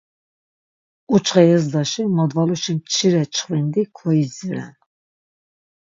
Ǩuçxe yezdaşi modvaluşi mçire çxvindi koidziren.